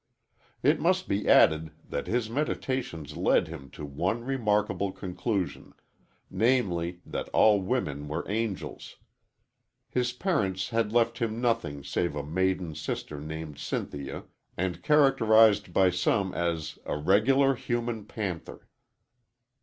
It must be added that his meditations led him to one remarkable conclusion namely, that all women were angels. His parents had left him nothing save a maiden sister named Cynthia, and characterized by some as "a reg'lar human panther."